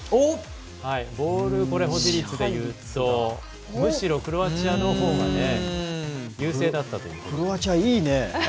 ボール保持率でいうとむしろクロアチアのほうがクロアチア、いいね！